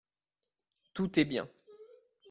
Tout est bien.